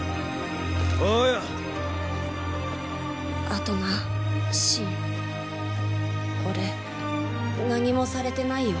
あとな信オレ何もされてないよ。